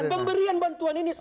pemberian bantuan ini sah